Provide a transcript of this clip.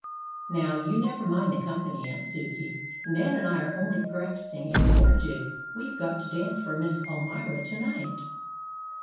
"Now you never mind the company, Aunt Sukey. Nan and I are only practicing a war jig we've got to dance for Miss Almira to night."